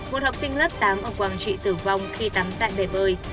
một học sinh lớp tám ở quảng trị tử vong khi tắm tại bể bơi